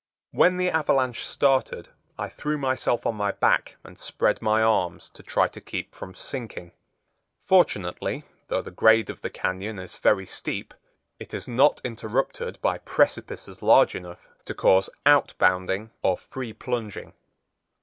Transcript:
When the avalanche started I threw myself on my back and spread my arms to try to keep from sinking. Fortunately, though the grade of the cañon is very steep, it is not interrupted by precipices large enough to cause outbounding or free plunging.